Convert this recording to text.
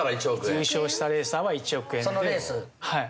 優勝したレーサーは１億円。